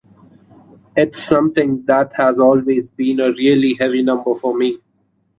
It's something that has always been a really heavy number for me.